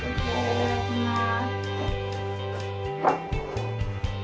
いただきます。